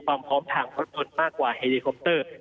ความพร้อมทางธรรมบนมากกว่าไฮรีโคปเตอร์